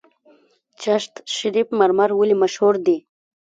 چشت شریف مرمر ولې مشهور دي؟